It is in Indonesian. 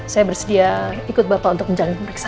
saya bersedia ikut bapak untuk menjalani pemeriksaan